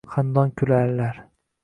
Xandon kularlar.